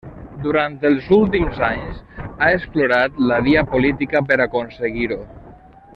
Durant els últims anys ha explorat la via política per aconseguir-ho.